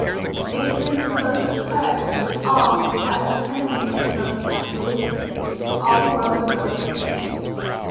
It is in the closest touch with all that has emanated from the Absolute all the world of Relativity.